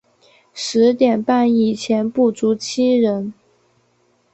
十点半以前不足七人